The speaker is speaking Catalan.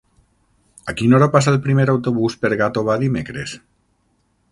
A quina hora passa el primer autobús per Gàtova dimecres?